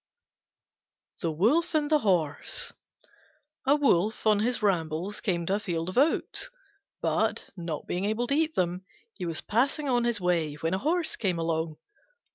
THE WOLF AND THE HORSE A Wolf on his rambles came to a field of oats, but, not being able to eat them, he was passing on his way when a Horse came along.